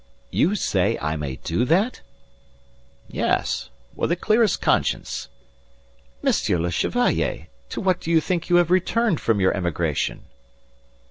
"You say I may do that?" "Yes. With the clearest conscience." "Monsieur le Chevalier! To what do you think you have returned from your emigration?"